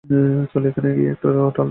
চলো, ওখানে গিয়ে একটু টালমাটাল হই!